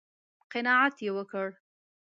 _قناعت يې وکړ؟